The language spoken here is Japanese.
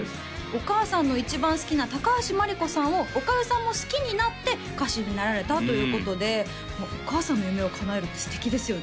お母さんの一番好きな橋真梨子さんをおかゆさんも好きになって歌手になられたということでお母さんの夢をかなえるって素敵ですよね